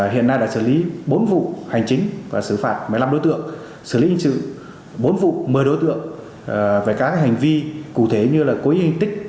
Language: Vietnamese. hiện nay đã xử lý bốn vụ hành chính và xử phạt một mươi năm đối tượng xử lý hình sự bốn vụ một mươi đối tượng về các hành vi cụ thể như là cố ý hình tích